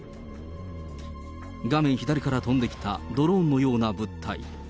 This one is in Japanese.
画面左から飛んできたドローンのような物体。